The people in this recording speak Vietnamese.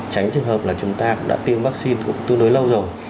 tránh trường hợp là chúng ta cũng đã tiêm vaccine cũng tương đối lâu rồi